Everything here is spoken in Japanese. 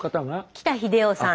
北秀夫さん。